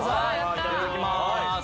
いただきます。